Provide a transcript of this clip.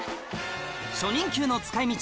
初任給の使い道